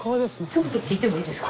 ちょっと聞いてもいいですか？